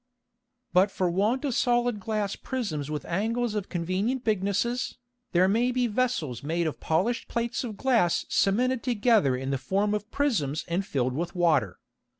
But for want of solid Glass Prisms with Angles of convenient Bignesses, there may be Vessels made of polished Plates of Glass cemented together in the form of Prisms and filled with Water.